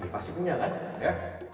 pasti punya hati